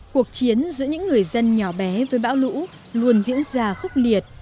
cuộc chiến giữa những người dân nhỏ bé với bão lũ luôn diễn ra khốc liệt